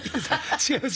違います。